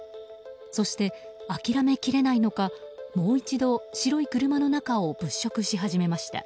そして、諦めきれないのかもう一度白い車の中を物色し始めました。